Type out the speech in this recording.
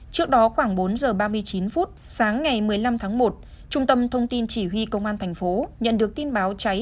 trước đó khoảng bốn giờ ba mươi chín phút sáng ngày một mươi năm tháng một trung tâm thông tin chỉ huy công an thành phố nhận được tin báo cháy